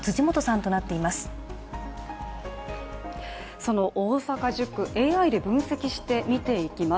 その大阪１０区、ＡＩで分析していきます。